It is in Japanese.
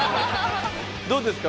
どうですか？